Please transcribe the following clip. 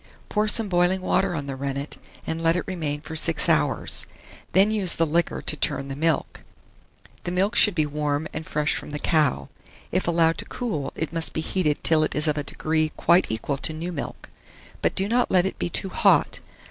Pour some boiling water on the rennet, and let it remain for 6 hours; then use the liquor to turn the milk. The milk should be warm and fresh from the cow: if allowed to cool, it must be heated till it is of a degree quite equal to new milk; but do not let it be too hot.